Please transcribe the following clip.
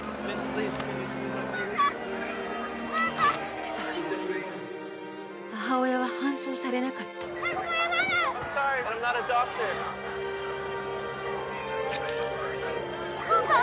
しかし母親は搬送されなかったお母さん！？